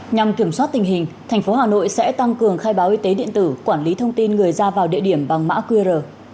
nhằm kiểm soát tình hình thành phố hà nội sẽ tăng cường khai báo y tế điện tử quản lý thông tin người ra vào địa điểm bằng mã qr